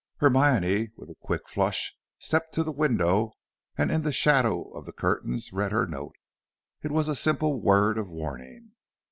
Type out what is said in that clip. Hermione, with a quick flush, stepped to the window and in the shadow of the curtains read her note. It was a simple word of warning.